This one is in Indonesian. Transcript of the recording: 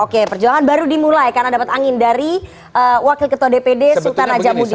oke perjuangan baru dimulai karena dapat angin dari wakil ketua dpd sultan ajamudin